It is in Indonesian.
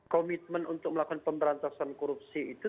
komitmen untuk melakukan pemberantasan korupsi itu